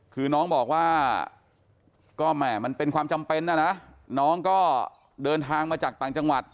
คือน้องบอกว่าก็แหม่มันเป็นความจำเป็นนะนะน้องก็เดินทางมาจากต่างจังหวัด